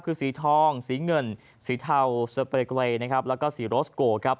คือสีทองสีเงินสีเทาสเปรกเวย์แล้วก็สีโรสโก